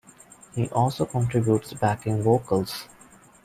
He also contributes backing vocals.